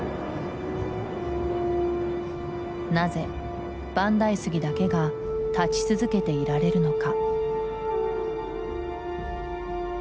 なぜ万代杉だけが立ち続けていられるのか？